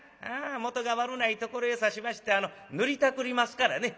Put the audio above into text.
もとが悪うないところへさしまして塗りたくりますからね。